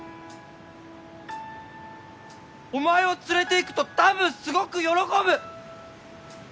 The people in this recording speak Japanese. お前を連れていくとたぶんすごく喜ぶ！